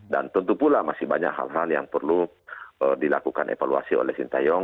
dan tentu pula masih banyak hal hal yang perlu dilakukan evaluasi oleh sinta yong